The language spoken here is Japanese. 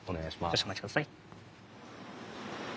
少しお待ちください。